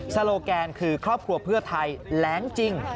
โลแกนคือครอบครัวเพื่อไทยแรงจริง